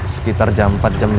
sekitar jam empat lima